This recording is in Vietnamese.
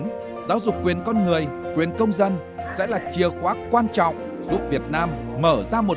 chắc chắn giáo dục quyền con người quyền công dân sẽ là chiều khoác quan trọng giúp việt nam mở ra một thế giới tốt hơn